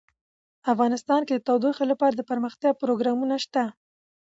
افغانستان کې د تودوخه لپاره دپرمختیا پروګرامونه شته.